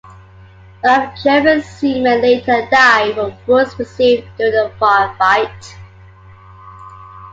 One of German seamen later died from wounds received during the fire-fight.